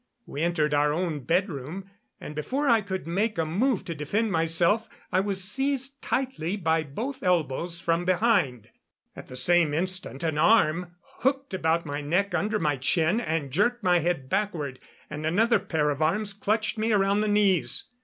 We entered our own bedroom, and before I could make a move to defend myself I was seized tightly by both elbows from behind. At the same instant an arm hooked around my neck under my chin and jerked my head backward, and another pair of arms clutched me around the knees.